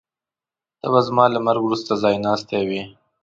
ته به زما له مرګ وروسته ځایناستی وې.